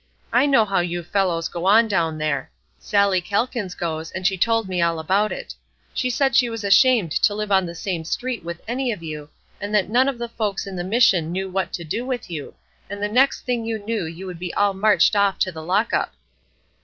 I know how you fellows go on down there. Sallie Calkins goes, and she told me all about it. She said that she was ashamed to live on the same street with any of you, and that none of the folks in the Mission knew what to do with you, and the next thing you knew you would all be marched off to the lockup."